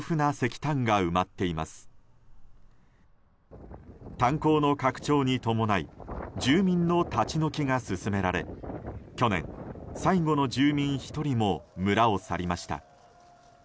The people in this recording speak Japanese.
炭鉱の拡張に伴い住民の立ち退きが進められ去年、最後の住民１人も村を去りました。